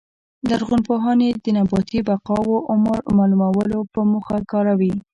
لرغونپوهان یې د نباتي بقایاوو عمر معلومولو په موخه کاروي